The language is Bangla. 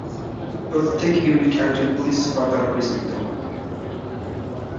প্রত্যেক ইউনিট একজন পুলিশ সুপার দ্বারা পরিচালিত।